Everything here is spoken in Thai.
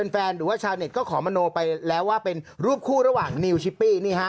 แฟนหรือว่าชาวในก็ขอมโนไปแล้วว่าเป็นรูปคู่ระหว่างนิวนี่ฮะ